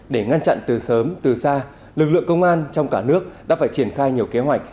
để ngăn chặn từ sớm từ xa lực lượng công an trong cả nước đã phải triển khai nhiều kế hoạch